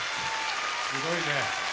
すごいね。